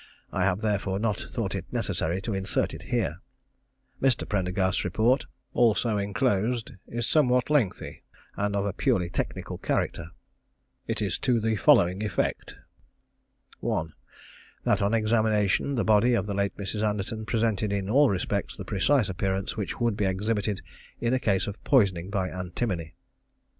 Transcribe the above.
I have therefore not thought it necessary to insert it here. Mr. Prendergast's report, also enclosed, is somewhat lengthy, and of a purely technical character. It is to the following effect: 1. That, on examination, the body of the late Mrs. Anderton presented in all respects the precise appearance which would be exhibited in a case of poisoning by antimony.